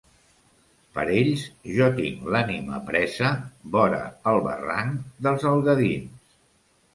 Per ells jo tinc l'ànima presa, vora el barranc dels Algadins.